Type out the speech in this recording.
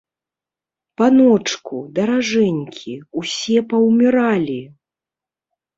Паночку, даражэнькі, усе паўміралі!